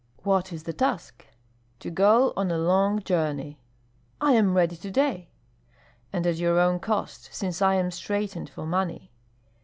"What is the task?" "To go on a long journey." "I am ready to day!" "And at your own cost, since I am straitened for money.